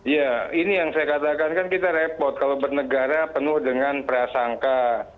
ya ini yang saya katakan kan kita repot kalau bernegara penuh dengan prasangka